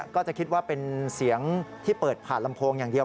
ก็จะคิดว่าเป็นเสียงที่เปิดผ่านลำโพงอย่างเดียว